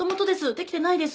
できてないです